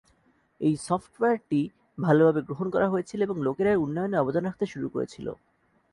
এই সফ্টওয়্যারটি ভালভাবে গ্রহণ করা হয়েছিল এবং লোকেরা এর উন্নয়নে অবদান রাখতে শুরু করেছিল।